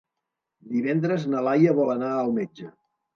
Divendres na Laia vol anar al metge.